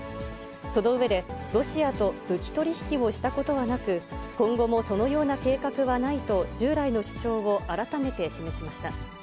その上で、ロシアと武器取り引きをしたことはなく、今後もそのような計画はないと、従来の主張を改めて示しました。